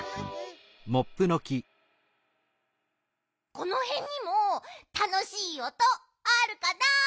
このへんにもたのしいおとあるかな？